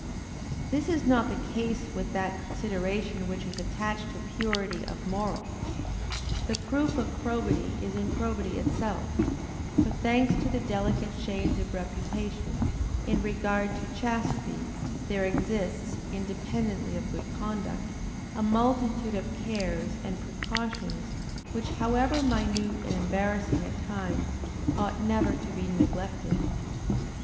This is not the case with that consideration which is attached to purity of morals. The proof of probity is in probity itself; but, thanks to the delicate shades of reputation, in regard to chastity, there exists, independently of good conduct, a multitude of cares, and precautions, which, however minute and embarrassing at times, ought never to be neglected.